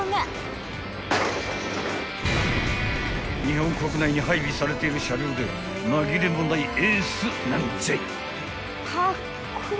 ［日本国内に配備されている車両で紛れもないエースなんじゃい］